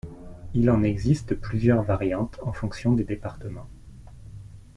Il en existe plusieurs variantes en fonction des départements.